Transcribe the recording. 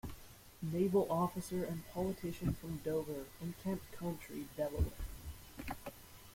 Naval officer and politician from Dover, in Kent County, Delaware.